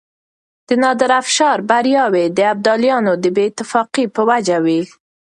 د نادرافشار برياوې د ابدالیانو د بې اتفاقۍ په وجه وې.